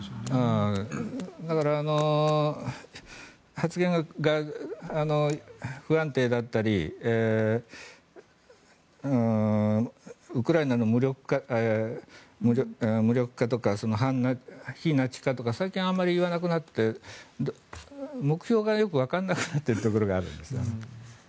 だから、発言が不安定だったりウクライナの無力化とか非ナチ化とか最近、あまり言わなくなって目標がよくわからなくなっているところがあるんじゃないかと。